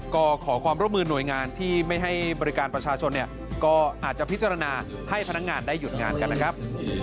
ก็ขอความร่วมมือหน่วยงานที่ไม่ให้บริการประชาชนเนี่ยก็อาจจะพิจารณาให้พนักงานได้หยุดงานกันนะครับ